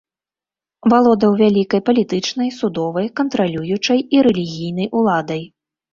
Валодаў вялікай палітычнай, судовай, кантралюючай і рэлігійнай уладай.